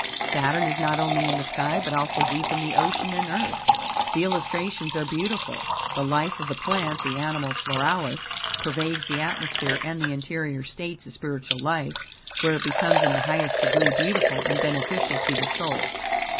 Saturn is not only in the sky, but also deep in the ocean, and Earth." The illustrations are beautiful, The life of the plant, the "anima floralis," pervades the atmosphere and the interior states of spiritual life, where it becomes in the highest degree beautiful, and beneficial to the soul.